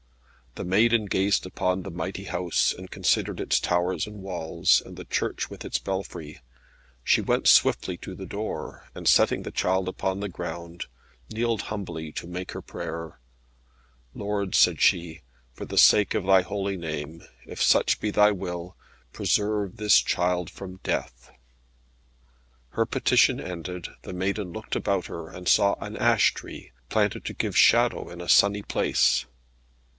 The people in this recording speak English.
The maiden gazed upon the mighty house, and considered its towers and walls, and the church with its belfry. She went swiftly to the door, and setting the child upon the ground, kneeled humbly to make her prayer. "Lord," said she, "for the sake of Thy Holy Name, if such be Thy will, preserve this child from death." Her petition ended, the maiden looked about her, and saw an ash tree, planted to give shadow in a sunny place.